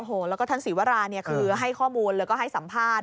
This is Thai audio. โอ้โหแล้วก็ท่านศรีวราเนี่ยคือให้ข้อมูลแล้วก็ให้สัมภาษณ์